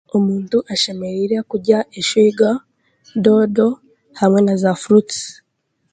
Omuntu ashemereire kurya eswiga doodo hamwe naza furutusi